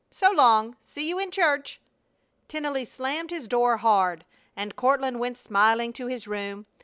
So long! See you in church!" Tennelly slammed his door hard, and Courtland went smiling to his room.